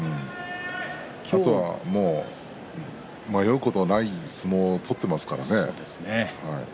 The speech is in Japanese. あとは迷うことない相撲を取っていますからね。